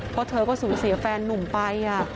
เพราะเธอก็สูญเสียแฟนนุ่มไป